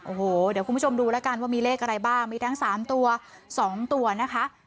โอ้โหเดี๋ยวคุณผู้ชมดูแล้วกันว่ามีเลขอะไรบ้างมีทั้ง๓ตัว๒ตัวนะคะ